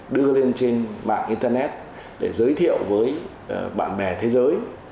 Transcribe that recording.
đưa lên trên mạng internet để giới thiệu với bạn bè thế giới